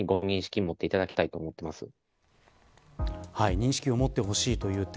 認識を持ってほしいという点